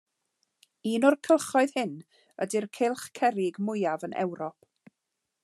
Un o'r cylchoedd hyn ydy'r cylch cerrig mwyaf yn Ewrop.